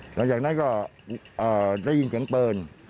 หลังจากนั้นก็ได้ยินเสียงปืน